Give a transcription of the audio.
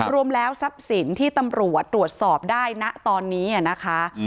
รวมแล้วทรัพย์สินที่ตำรวจตรวจสอบได้ณตอนนี้นะคะ